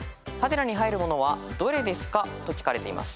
「『？』に入るものはどれですか？」と聞かれています。